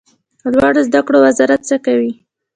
لوړو زده کړو وزارت څه کوي؟